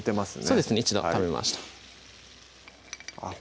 そうですね一度止めましたあっ